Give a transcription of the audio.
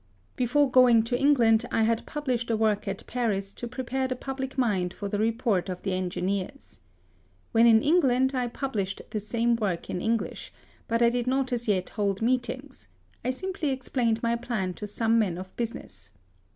Before going to England I had published a work at Paris to prepare the public mind for the report of the engineers. When in England, I published the same work in English; but I did not as yet hold meet ings : I simply explained my plan to some men of business.